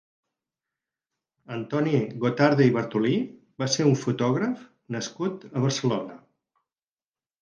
Antoni Gotarde i Bartolí va ser un fotògraf nascut a Barcelona.